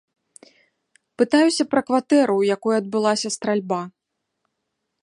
Пытаюся пра кватэру, у якой адбылася стральба.